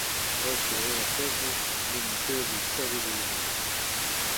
Hoxe é a sede do Museo de Historia de Dinamarca.